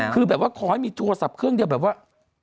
คือแบบว่าขอให้มีโทรศัพท์เครื่องเดียวแบบว่า